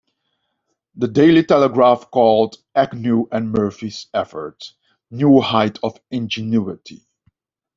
"The Daily Telegraph" called Agnew and Murphy's effort, "new heights of ingenuity".